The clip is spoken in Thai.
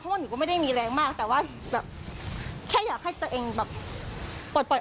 ว่าหนูก็ไม่ได้มีแรงมากแต่ว่าแบบแค่อยากให้ตัวเองแบบปลดปล่อย